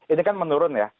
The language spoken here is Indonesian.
ini kan menurun ya